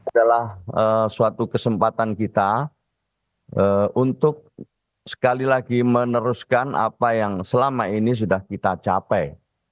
adalah suatu kesempatan kita untuk sekali lagi meneruskan apa yang selama ini sudah kita capai